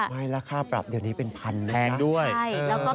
ไม่แล้วค่าปรับเดี๋ยวนี้เป็นพันแท้ด้วย